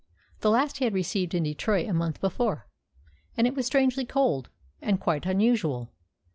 The last he had received in Detroit a month before, and it was strangely cold, and quite unusual.